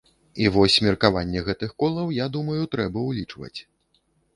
І вось меркаванне гэтых колаў, я думаю, трэба ўлічваць.